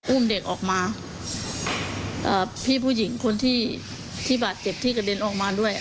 อุ้มเด็กออกมาพี่ผู้หญิงคนที่ที่บาดเจ็บที่กระเด็นออกมาด้วย